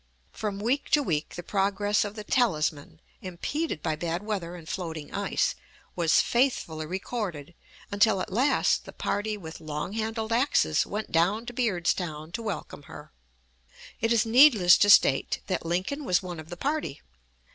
From week to week the progress of the Talisman, impeded by bad weather and floating ice, was faithfully recorded, until at last the party with long handled axes went down to Beardstown to welcome her. It is needless to state that Lincoln was one of the party.